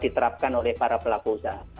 diterapkan oleh para pelaku usaha